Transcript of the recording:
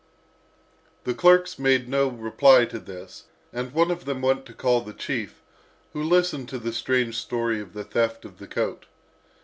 The clerks dared make no reply to this, and one of them went to call the chief, who listened to the strange story of the theft of the coat.